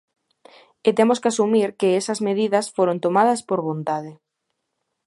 E temos que asumir que esas medidas foron tomadas por vontade.